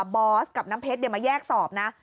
บอสกับน้ำเพชรมาแยกสอบนะ